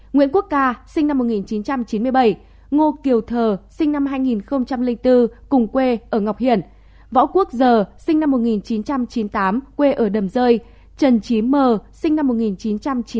nguyễn quốc ca sinh năm một nghìn chín trăm chín mươi bảy ngô kiều thờ sinh năm hai nghìn bốn cùng quê ở ngọc hiển võ quốc giờ sinh năm một nghìn chín trăm chín mươi tám quê ở đầm rơi trần chí mờ sinh năm một nghìn chín trăm chín mươi tám quê ở đầm rơi